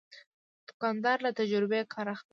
دوکاندار له تجربې کار اخلي.